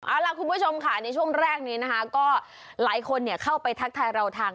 เอาล่ะคุณผู้ชมค่ะในช่วงแรกนี้นะคะก็หลายคนเข้าไปทักทายเราทาง